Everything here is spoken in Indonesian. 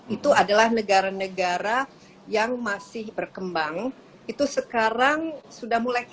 itu adalah negara negara yang masih berkembang itu sekarang sudah mulai